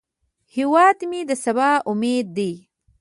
هیواد مې د سبا امید دی